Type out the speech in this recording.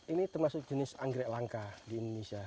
ini termasuk jenis anggrek langka di indonesia